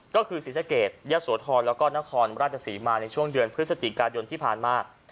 ก็คือศรีสะเกดยะโสธรแล้วก็นครราชศรีมาในช่วงเดือนพฤศจิกายนที่ผ่านมา